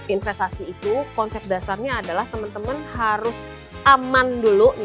investasi itu konsep dasarnya adalah teman teman harus aman dulu